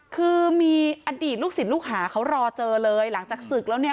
คือมีอดีตลูกศิษย์ลูกหาเขารอเจอเลยหลังจากศึกแล้วเนี่ย